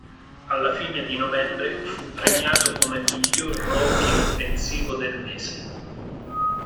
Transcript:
Alla fine di novembre fu premiato come miglior rookie offensivo del mese.